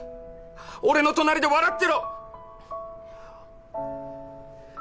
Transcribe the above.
俺の隣で笑ってろ！